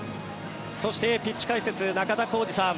そしてピッチ解説中田浩二さん